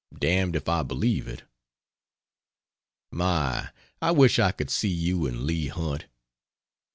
Dam'd if I believe it. My, I wish I could see you and Leigh Hunt!